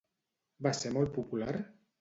Va ser molt popular?